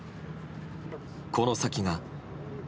この先が。